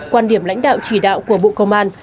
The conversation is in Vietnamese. quan điểm lãnh đạo chỉ đạo của bộ công an